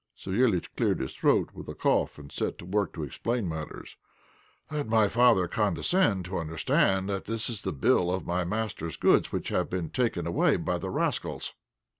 Savéliitch cleared his throat with a cough, and set to work to explain matters. "Let my father condescend to understand that that is the bill of my master's goods which have been taken away by the rascals."